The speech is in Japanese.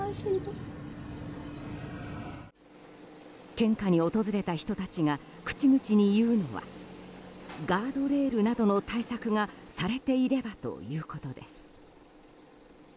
献花に訪れた人たちが口々に言うのはガードレールなどの対策がされていればということです。